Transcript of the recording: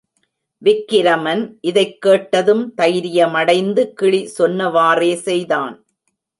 விக்கிரமன் இதைக் கேட்டதும் தைரியமடைந்து கிளி சொன்னவாறே செய்தான்.